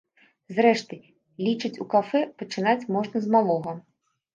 Зрэшты, лічаць у кафэ, пачынаць можна з малога.